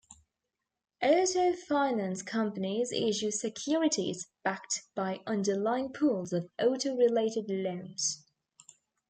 Auto finance companies issue securities backed by underlying pools of auto-related loans.